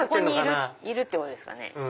ここにいるってことですかね。